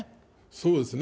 そうですね。